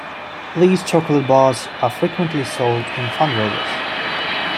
These chocolate bars are frequently sold in fundraisers.